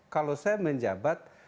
kalau saya menjabat